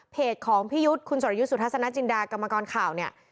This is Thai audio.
ของพี่ยุทธ์คุณสรยุทธ์สุทัศนจินดากรรมกรข่าวเนี่ย